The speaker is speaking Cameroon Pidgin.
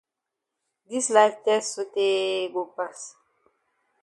Dis life tess sotay go pass.